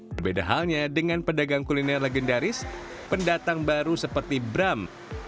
berbeda halnya dengan pedagang kuliner legendaris pendatang baru seperti bram